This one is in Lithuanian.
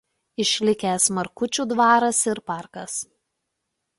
Išlikęs Markučių dvaras ir parkas.